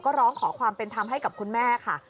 ก็ร้องขอความเป็นธรรมให้กับคุณแม่ค่ะ